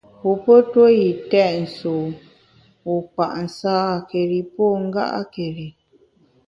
Wu pe ntue yi têt sùwu, wu kpa’ nsâkeri pô nga’keri.